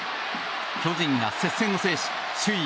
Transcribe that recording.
巨人が接戦を制し首位